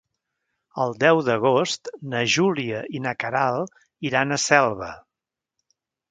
El deu d'agost na Júlia i na Queralt iran a Selva.